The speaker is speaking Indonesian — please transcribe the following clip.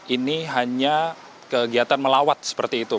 ini hanya kegiatan melawat seperti itu